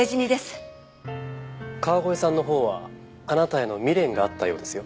川越さんのほうはあなたへの未練があったようですよ。